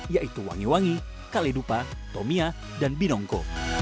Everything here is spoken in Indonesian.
yaitu wangi wangi kaledupa tomia dan binongko